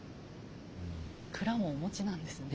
蔵もお持ちなんですね。